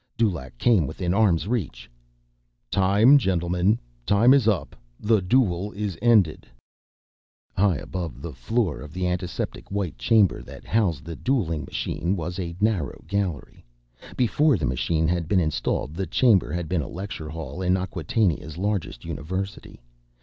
Dulaq came within arm's reach ... "TIME, GENTLEMEN. TIME IS UP, THE DUEL IS ENDED." High above the floor of the antiseptic white chamber that housed the dueling machine was a narrow gallery. Before the machine had been installed, the chamber had been a lecture hall in Acquatainia's largest university.